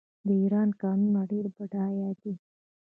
د ایران کانونه ډیر بډایه دي.